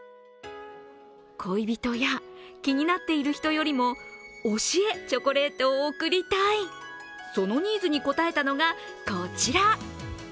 恋人や、気になっている人よりも、推しへチョコレートを贈りたい、そのニーズに応えたのがこちら。